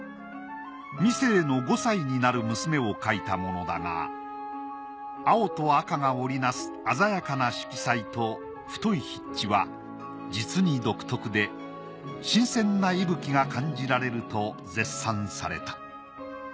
未醒の５歳になる娘を描いたものだが青と赤が織り成す鮮やかな色彩と太い筆致は実に独特で新鮮な息吹が感じられると絶賛された。